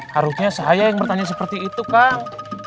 harusnya saya yang bertanya seperti itu kang